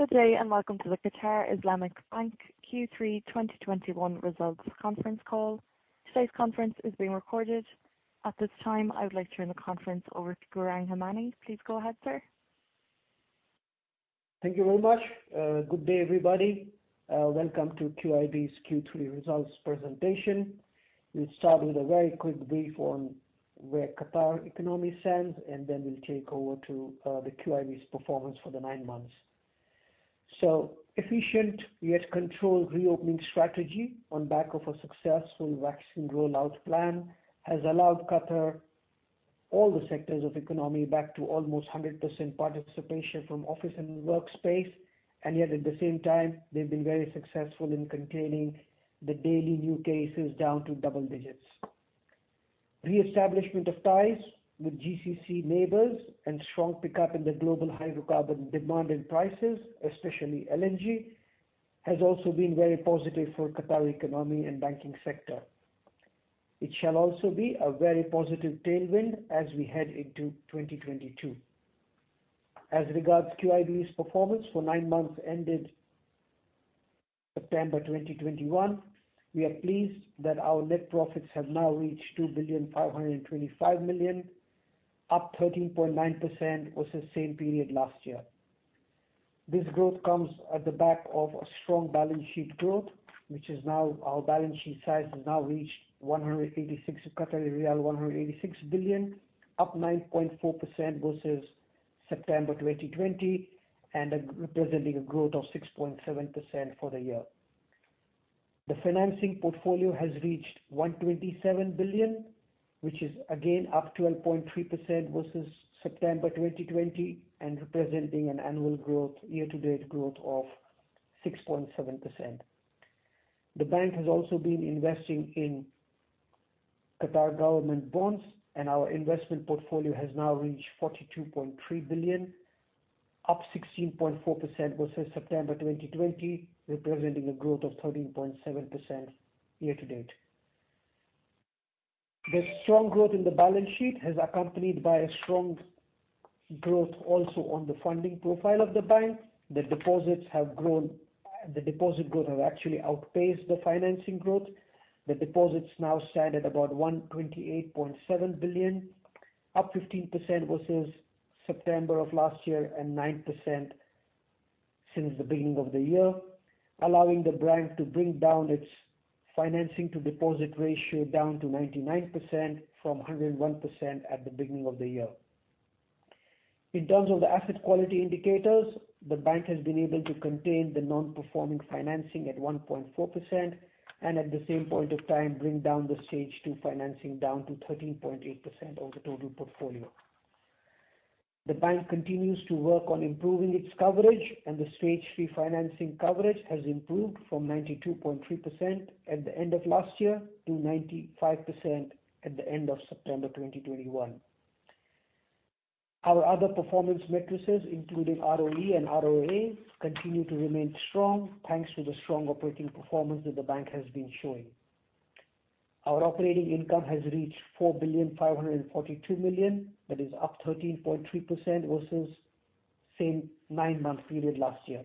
Good day. Welcome to the Qatar Islamic Bank Q3 2021 results conference call. Today's conference is being recorded. At this time, I would like to turn the conference over to Gaurang Hemani. Please go ahead, sir. Thank you very much. Good day, everybody. Welcome to QIB's Q3 results presentation. We will start with a very quick brief on where Qatar economy stands. Then we will take over to the QIB's performance for the nine months. Efficient yet controlled reopening strategy on back of a successful vaccine rollout plan has allowed Qatar all the sectors of economy back to almost 100% participation from office and workspace. Yet at the same time, they have been very successful in containing the daily new cases down to double digits. Reestablishment of ties with GCC neighbors and strong pickup in the global hydrocarbon demand and prices, especially LNG, has also been very positive for Qatar economy and banking sector. It shall also be a very positive tailwind as we head into 2022. As regards QIB's performance for nine months ended September 2021, we are pleased that our net profits have now reached 2,525,000,000, up 13.9% versus same period last year. This growth comes at the back of a strong balance sheet growth, which our balance sheet size has now reached QAR 186 billion, up 9.4% versus September 2020 and representing a growth of 6.7% for the year. The financing portfolio has reached 127 billion, which is again up 12.3% versus September 2020 and representing an annual year-to-date growth of 6.7%. The bank has also been investing in Qatar government bonds. Our investment portfolio has now reached 42.3 billion, up 16.4% versus September 2020, representing a growth of 13.7% year-to-date. The strong growth in the balance sheet has accompanied by a strong growth also on the funding profile of the bank. The deposit growth has actually outpaced the financing growth. The deposits now stand at about 128.7 billion, up 15% versus September of last year and 9% since the beginning of the year, allowing the bank to bring down its financing to deposit ratio down to 99% from 101% at the beginning of the year. In terms of the asset quality indicators, the bank has been able to contain the non-performing financing at 1.4%. At the same point of time, bring down the stage 2 financing down to 13.8% of the total portfolio. The bank continues to work on improving its coverage. The stage 3 financing coverage has improved from 92.3% at the end of last year to 95% at the end of September 2021. Our other performance metrics, including ROE and ROA, continue to remain strong, thanks to the strong operating performance that the bank has been showing. Our operating income has reached 4,542,000,000. That is up 13.3% versus same nine-month period last year.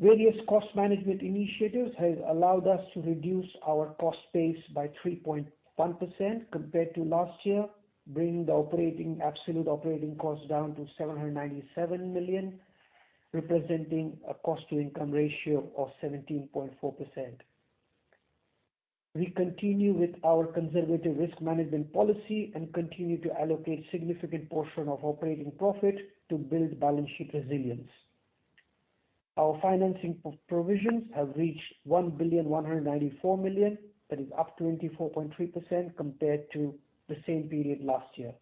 Various cost management initiatives have allowed us to reduce our cost base by 3.1% compared to last year, bringing the absolute operating cost down to 797 million, representing a cost-to-income ratio of 17.4%. We continue with our conservative risk management policy and continue to allocate significant portion of operating profit to build balance sheet resilience. Our financing provisions have reached 1,194,000,000. That is up 24.3% compared to the same period last year,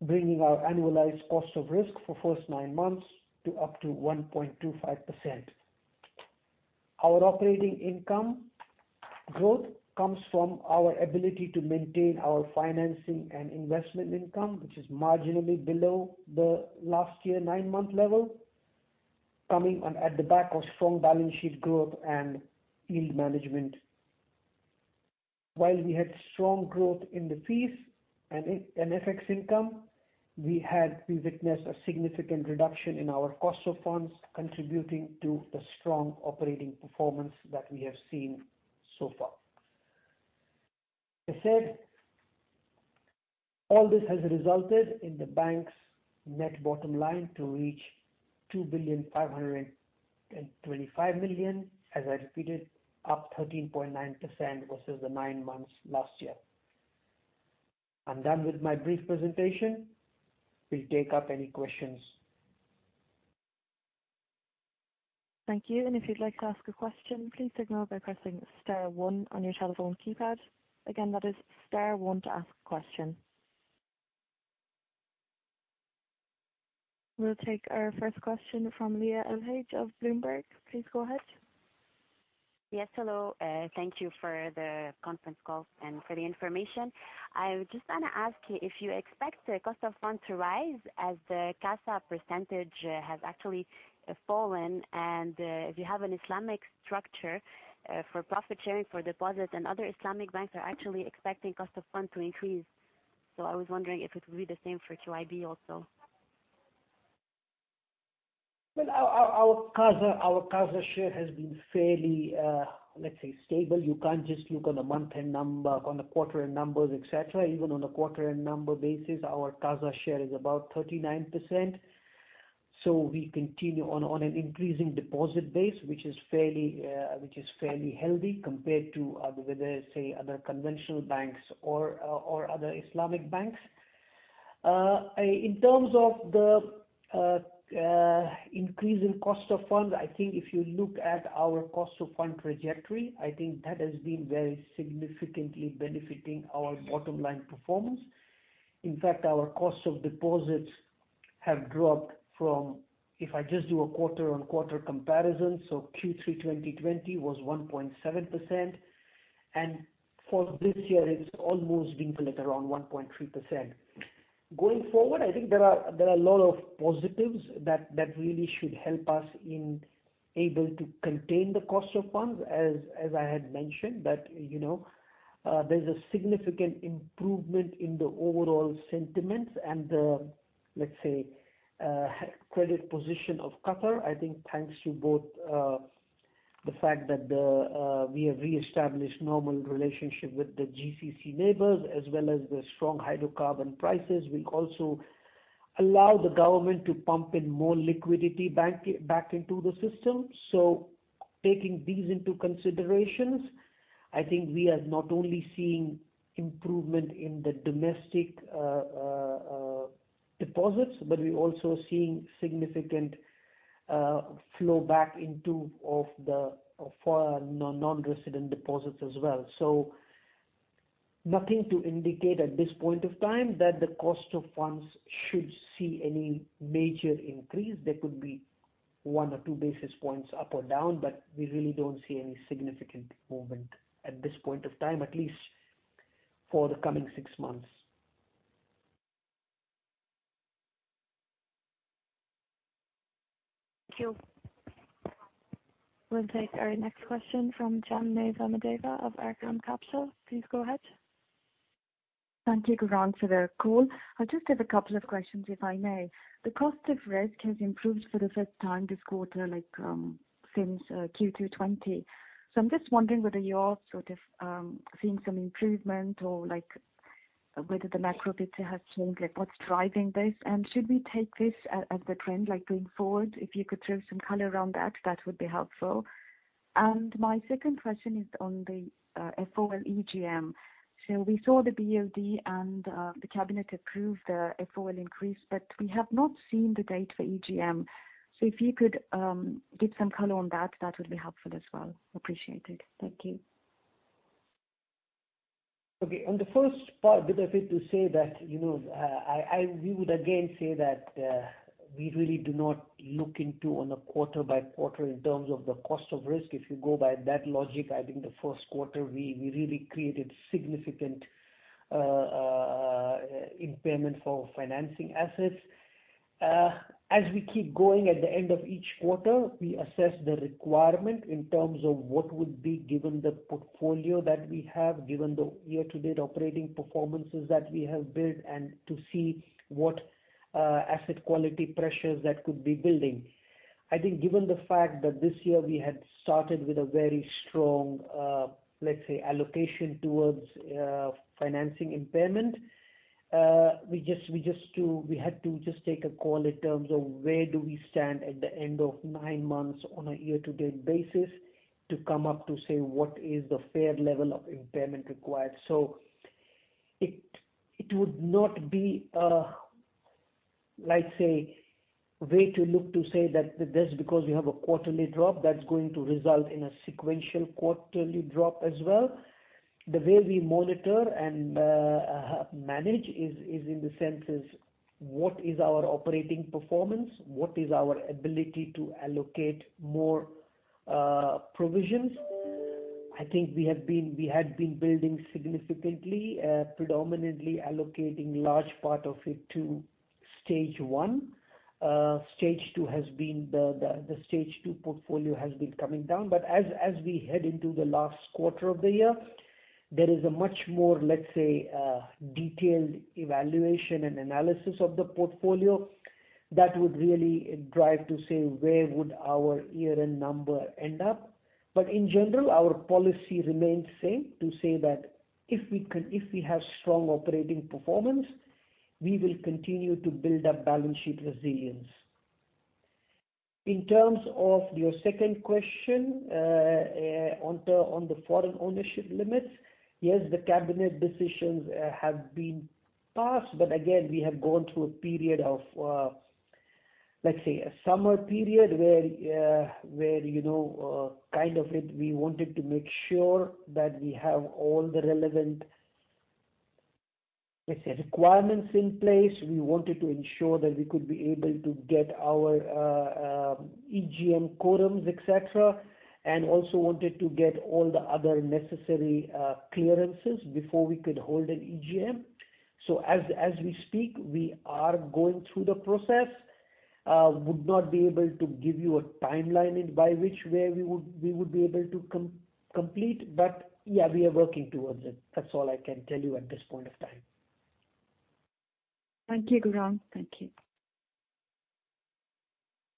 bringing our annualized cost of risk for first nine months to up to 1.25%. Our operating income growth comes from our ability to maintain our financing and investment income, which is marginally below the last year nine-month level, coming on at the back of strong balance sheet growth and yield management. While we had strong growth in the fees and FX income, we've witnessed a significant reduction in our cost of funds contributing to the strong operating performance that we have seen so far. As said, all this has resulted in the bank's net bottom line to reach 2,525,000,000, as I repeated, up 13.9% versus the nine months last year. I'm done with my brief presentation. We'll take up any questions. Thank you. If you'd like to ask a question, please signal by pressing star one on your telephone keypad. Again, that is star one to ask a question. We'll take our first question from Leah El-Haj of Bloomberg. Please go ahead. Yes, hello. Thank you for the conference call and for the information. I just want to ask if you expect the cost of fund to rise as the CASA percentage has actually fallen, and if you have an Islamic structure for profit sharing for deposits and other Islamic banks are actually expecting cost of fund to increase. I was wondering if it would be the same for QIB also. Well, our CASA share has been fairly, let's say, stable. You can't just look on the month-end number, on the quarter-end numbers, et cetera. Even on a quarter-end number basis, our CASA share is about 39%. We continue on an increasing deposit base, which is fairly healthy compared to other, whether, say, other conventional banks or other Islamic banks. In terms of the increase in cost of funds, if you look at our cost of fund trajectory, I think that has been very significantly benefiting our bottom line performance. In fact, our cost of deposits have dropped from, if I just do a quarter-on-quarter comparison, Q3 2020 was 1.7%, and for this year it's almost been, around 1.3%. Going forward, I think there are a lot of positives that really should help us in able to contain the cost of funds, as I had mentioned. There's a significant improvement in the overall sentiments and the, let's say, credit position of Qatar. I think thanks to both the fact that we have re-established normal relationship with the GCC neighbors as well as the strong hydrocarbon prices will also allow the government to pump in more liquidity back into the system. Taking these into considerations, I think we are not only seeing improvement in the domestic deposits, but we're also seeing significant flow back into the foreign non-resident deposits as well. Nothing to indicate at this point of time that the cost of funds should see any major increase. There could be one or two basis points up or down, but we really don't see any significant movement at this point of time, at least for the coming six months. Thank you. We'll take our next question from Janany Vamadeva of Arqaam Capital. Please go ahead. Thank you, Grant, for the call. I just have a couple of questions, if I may. The cost of risk has improved for the first time this quarter since Q2 '20. I'm just wondering whether you're sort of seeing some improvement or whether the macro picture has changed, what's driving this? Should we take this as the trend going forward? If you could throw some color around that would be helpful. My second question is on the FOL EGM. We saw the BOD and the cabinet approve the FOL increase, but we have not seen the date for EGM. If you could give some color on that would be helpful as well. Appreciate it. Thank you. Okay. On the first part, Dibyaprit, to say that we would again say that we really do not look into on a quarter by quarter in terms of the cost of risk. If you go by that logic, I think the first quarter, we really created significant impairment for financing assets. As we keep going at the end of each quarter, we assess the requirement in terms of what would be given the portfolio that we have, given the year-to-date operating performances that we have built and to see what asset quality pressures that could be building. I think given the fact that this year we had started with a very strong, let's say, allocation towards financing impairment. We had to just take a call in terms of where do we stand at the end of nine months on a year-to-date basis to come up to say what is the fair level of impairment required. It would not be a, let's say, way to look to say that just because we have a quarterly drop, that's going to result in a sequential quarterly drop as well. The way we monitor and manage is in the sense is what is our operating performance, what is our ability to allocate more provisions? I think we had been building significantly, predominantly allocating large part of it to stage 1. The stage 2 portfolio has been coming down. As we head into the last quarter of the year, there is a much more, let's say, detailed evaluation and analysis of the portfolio that would really drive to say where would our year-end number end up. In general, our policy remains same to say that if we have strong operating performance, we will continue to build up balance sheet resilience. In terms of your second question on the Foreign Ownership Limits, yes, the cabinet decisions have been passed. Again, we have gone through a period of, let's say, a summer period where, kind of we wanted to make sure that we have all the relevant, let's say, requirements in place. We wanted to ensure that we could be able to get our EGM quorums, et cetera, and also wanted to get all the other necessary clearances before we could hold an EGM. As we speak, we are going through the process. Would not be able to give you a timeline and by which way we would be able to complete. Yeah, we are working towards it. That's all I can tell you at this point of time. Thank you, Guram. Thank you.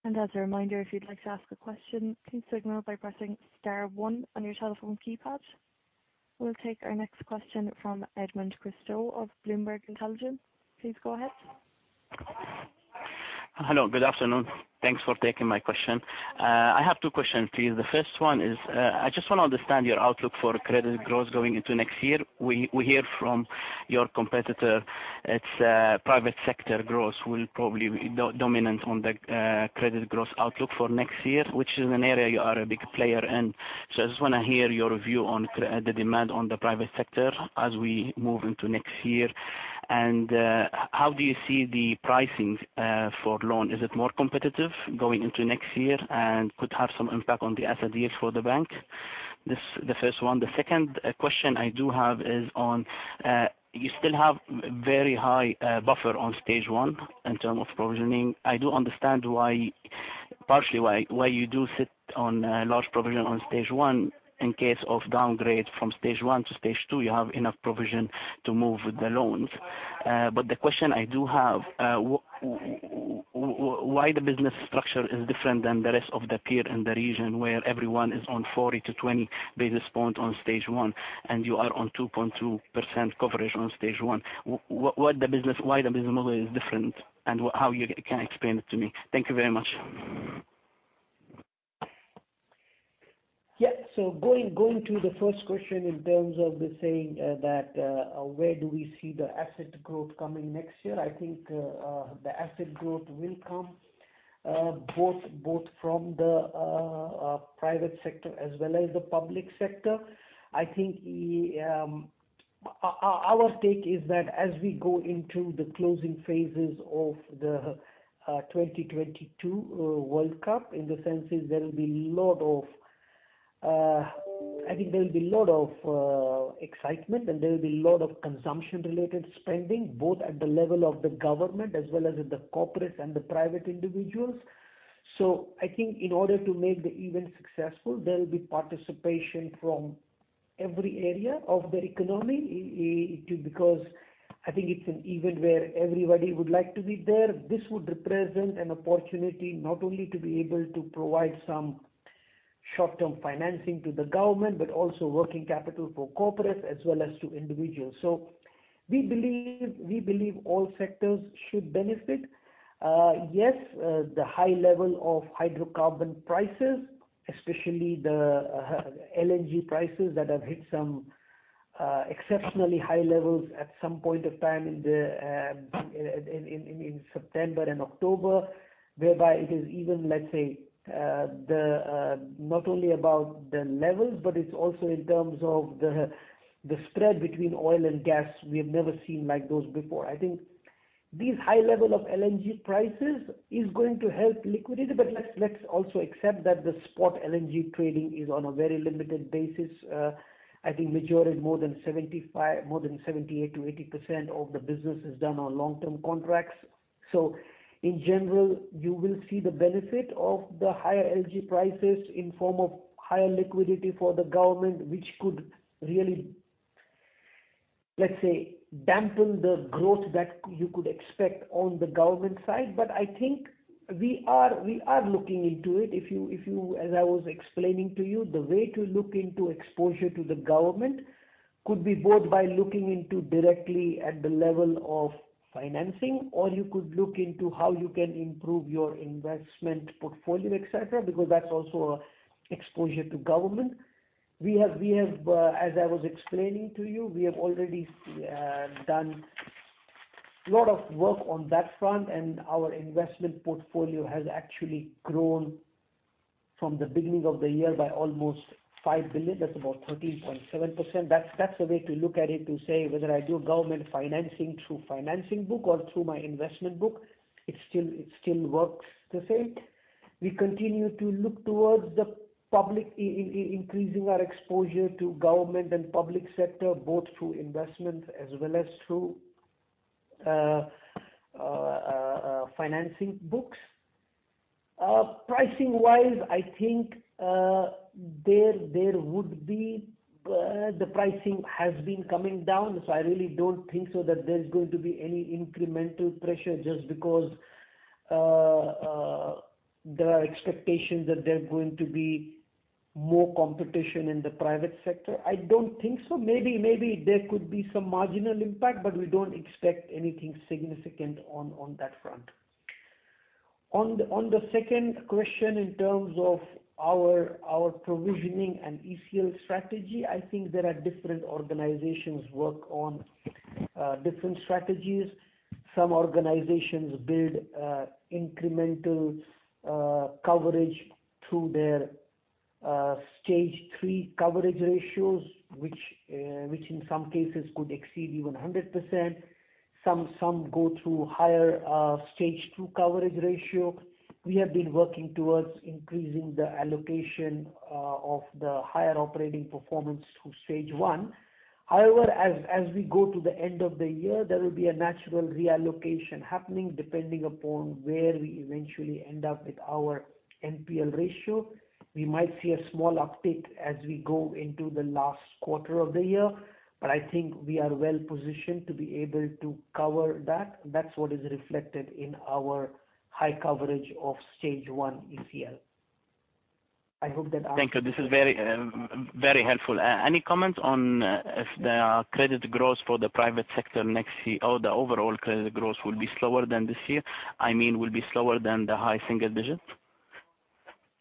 As a reminder, if you'd like to ask a question, please signal by pressing star one on your telephone keypad. We'll take our next question from Edmond Christo of Bloomberg Intelligence. Please go ahead. Hello. Good afternoon. Thanks for taking my question. I have two questions for you. The first one is, I just want to understand your outlook for credit growth going into next year. We hear from your competitor, its private sector growth will probably be dominant on the credit growth outlook for next year, which is an area you are a big player in. I just want to hear your view on the demand on the private sector as we move into next year. How do you see the pricing for loan? Is it more competitive going into next year and could have some impact on the asset deals for the bank? This is the first one. The second question I do have is on, you still have very high buffer on stage 1 in term of provisioning. I do understand partially why you do sit on a large provision on stage 1. In case of downgrade from stage 1 to stage 2, you have enough provision to move with the loans. The question I do have, why the business structure is different than the rest of the peer in the region where everyone is on 40 to 20 basis points on stage 1, you are on 2.2% coverage on stage 1. Why the business model is different, and how you can explain it to me? Thank you very much. Yes. Going to the first question in terms of the saying that where do we see the asset growth coming next year? I think the asset growth will come both from the private sector as well as the public sector. I think our take is that as we go into the closing phases of the 2022 World Cup, I think there will be lot of excitement and there will be lot of consumption-related spending, both at the level of the government as well as at the corporates and the private individuals. I think in order to make the event successful, there will be participation from every area of their economy. I think it's an event where everybody would like to be there. This would represent an opportunity not only to be able to provide some short-term financing to the government, but also working capital for corporates as well as to individuals. We believe all sectors should benefit. Yes, the high level of hydrocarbon prices, especially the LNG prices that have hit some exceptionally high levels at some point of time in September and October, whereby it is even, let's say, not only about the levels, but it's also in terms of the spread between oil and gas we have never seen like those before. I think this high level of LNG prices is going to help liquidity. Let's also accept that the spot LNG trading is on a very limited basis. I think majority, more than 78% to 80% of the business is done on long-term contracts. In general, you will see the benefit of the higher LNG prices in form of higher liquidity for the government, which could really, let's say, dampen the growth that you could expect on the government side. I think we are looking into it. As I was explaining to you, the way to look into exposure to the government could be both by looking into directly at the level of financing, or you could look into how you can improve your investment portfolio, et cetera, because that's also exposure to government. As I was explaining to you, we have already done lot of work on that front, and our investment portfolio has actually grown from the beginning of the year by almost 5 billion. That's about 13.7%. That's a way to look at it, to say whether I do government financing through financing book or through my investment book, it still works the same. We continue to look towards the public, increasing our exposure to government and public sector, both through investment as well as through financing books. Pricing-wise, I think the pricing has been coming down. I really don't think so that there's going to be any incremental pressure just because there are expectations that there are going to be more competition in the private sector. I don't think so. Maybe there could be some marginal impact, but we don't expect anything significant on that front. On the second question in terms of our provisioning and ECL strategy, I think there are different organizations work on different strategies. Some organizations build incremental coverage through their stage 3 coverage ratios, which in some cases could exceed even 100%. Some go through higher stage 2 coverage ratio. We have been working towards increasing the allocation of the higher operating performance to stage 1. However, as we go to the end of the year, there will be a natural reallocation happening depending upon where we eventually end up with our NPL ratio. We might see a small uptick as we go into the last quarter of the year. I think we are well positioned to be able to cover that. That's what is reflected in our high coverage of stage 1 ECL. Thank you. This is very helpful. Any comment on if the credit growth for the private sector next year, or the overall credit growth will be slower than this year? I mean, will be slower than the high single digits?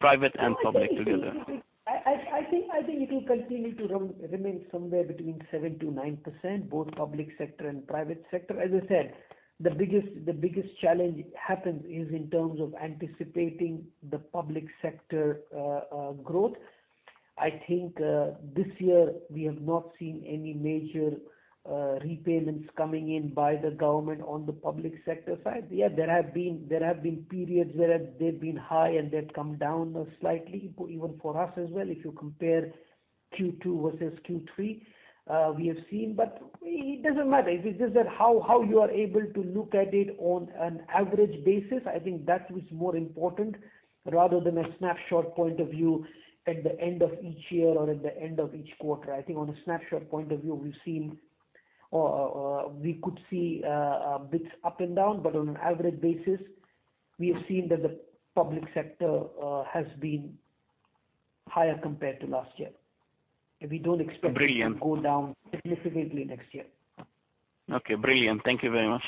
Private and public together. I think it will continue to remain somewhere between 7%-9%, both public sector and private sector. As I said, the biggest challenge happens is in terms of anticipating the public sector growth. I think this year we have not seen any major repayments coming in by the government on the public sector side. Yeah, there have been periods where they've been high, and they've come down slightly. Even for us as well, if you compare Q2 versus Q3, we have seen. It doesn't matter. It's just that how you are able to look at it on an average basis, I think that is more important rather than a snapshot point of view at the end of each year or at the end of each quarter. I think on a snapshot point of view, we could see bits up and down, but on an average basis, we have seen that the public sector has been higher compared to last year. We don't expect. Brilliant it to go down significantly next year. Okay, brilliant. Thank you very much.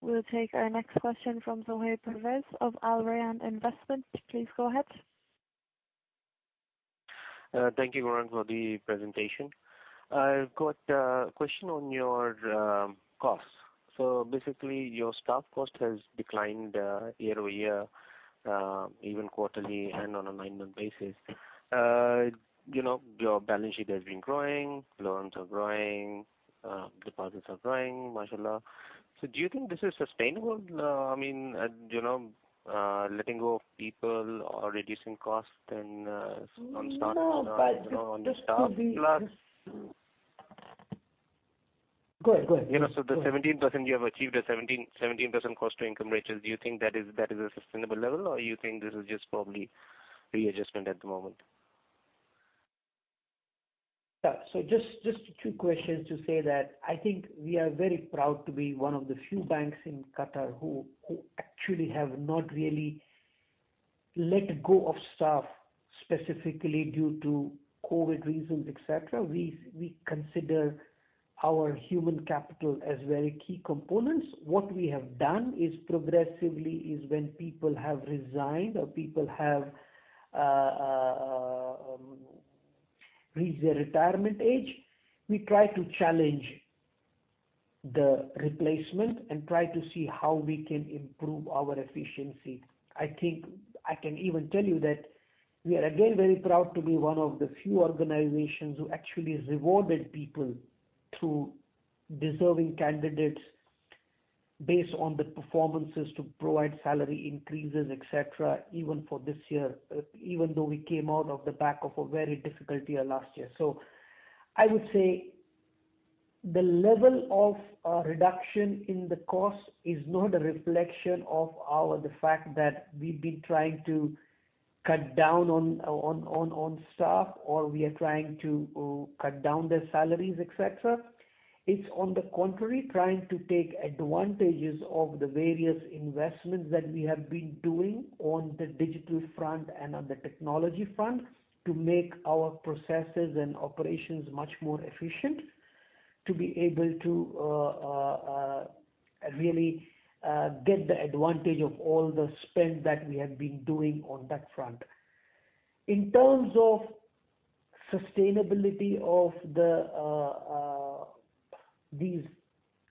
We'll take our next question from Zohaib Pervez of Al Rayan Investment. Please go ahead. Thank you, Gaurang, for the presentation. I've got a question on your costs. Basically, your staff cost has declined year-over-year, even quarterly and on a nine-month basis. Your balance sheet has been growing, loans are growing, deposits are growing, mashallah. Do you think this is sustainable? I mean, letting go of people or reducing costs. No on your staff. Go ahead. The 17% you have achieved, the 17% cost to income ratio, do you think that is a sustainable level, or you think this is just probably readjustment at the moment? Yeah. Just two questions to say that I think we are very proud to be one of the few banks in Qatar who actually have not really let go of staff, specifically due to COVID reasons, et cetera. We consider our human capital as very key components. What we have done is progressively is when people have resigned or people have reached their retirement age, we try to challenge the replacement and try to see how we can improve our efficiency. I think I can even tell you that we are again very proud to be one of the few organizations who actually rewarded people through deserving candidates based on the performances to provide salary increases, et cetera, even for this year, even though we came out of the back of a very difficult year last year. I would say the level of reduction in the cost is not a reflection of the fact that we've been trying to cut down on staff, or we are trying to cut down their salaries, et cetera. It's on the contrary, trying to take advantages of the various investments that we have been doing on the digital front and on the technology front to make our processes and operations much more efficient, to be able to really get the advantage of all the spend that we have been doing on that front. In terms of sustainability of these,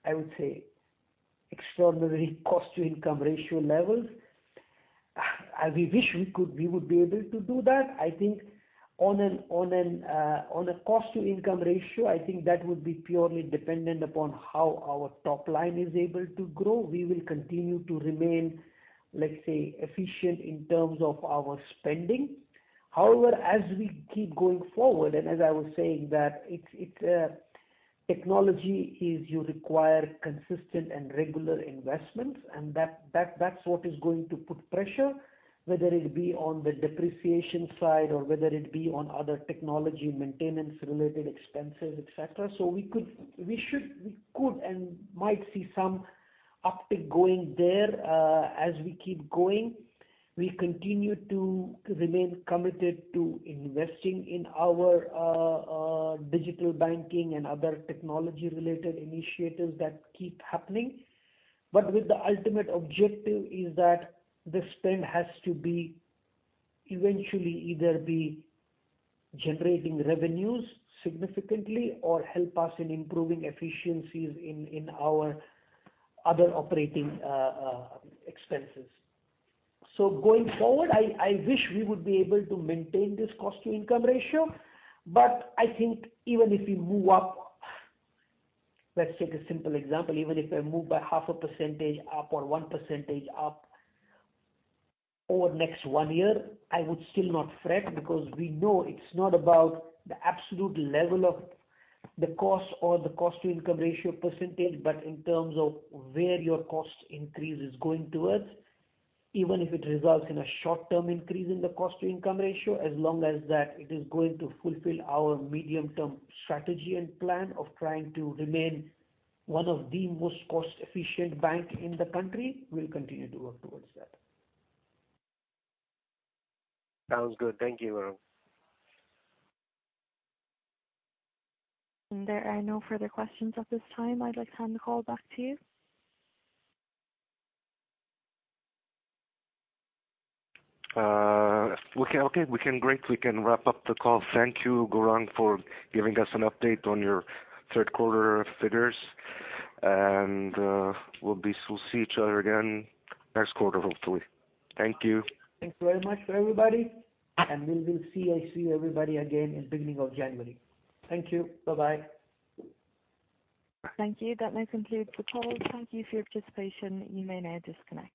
I would say, extraordinary cost to income ratio levels, we wish we would be able to do that. On a cost to income ratio, I think that would be purely dependent upon how our top line is able to grow. We will continue to remain, let's say, efficient in terms of our spending. However, as we keep going forward, and as I was saying that technology you require consistent and regular investments, and that's what is going to put pressure, whether it be on the depreciation side or whether it be on other technology maintenance related expenses, et cetera. We could and might see some uptick going there as we keep going. We continue to remain committed to investing in our digital banking and other technology related initiatives that keep happening. With the ultimate objective is that the spend has to be eventually either be generating revenues significantly or help us in improving efficiencies in our other operating expenses. Going forward, I wish we would be able to maintain this cost to income ratio, but I think even if we move up, let's take a simple example. Even if I move by 0.5% up or 1% up over next one year, I would still not fret because we know it's not about the absolute level of the cost or the cost to income ratio %, but in terms of where your cost increase is going towards. Even if it results in a short-term increase in the cost to income ratio, as long as that it is going to fulfill our medium-term strategy and plan of trying to remain one of the most cost-efficient bank in the country, we'll continue to work towards that. Sounds good. Thank you, Gaurang. There are no further questions at this time. I'd like to hand the call back to you. Okay. Great, we can wrap up the call. Thank you, Gaurang, for giving us an update on your third quarter figures. We'll see each other again next quarter, hopefully. Thank you. Thanks very much to everybody. We will see everybody again in beginning of January. Thank you. Bye-bye. Thank you. That now concludes the call. Thank you for your participation. You may now disconnect.